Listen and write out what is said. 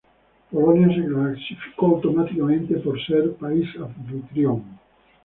Polonia se clasificó automáticamente por ser país anfitrión.